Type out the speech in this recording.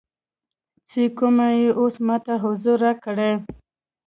څې کومه کې اوس ماته حضور راکړی